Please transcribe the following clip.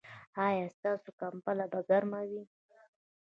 ایا ستاسو کمپله به ګرمه وي؟